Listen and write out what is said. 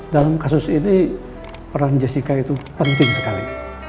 dalam kasus ini peran jessica itu penting sekali